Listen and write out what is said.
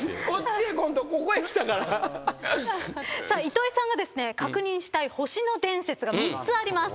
糸井さんがですね確認したい星野伝説が３つあります。